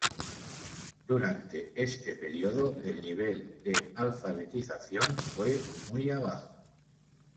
Durante este periodo, el nivel de alfabetización fue muy abajo.